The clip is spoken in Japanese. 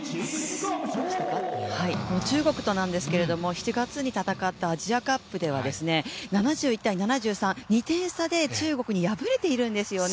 中国となんですけれども、７月に戦ったアジアカップでは７１−７３、２点差で中国に敗れているんですよね。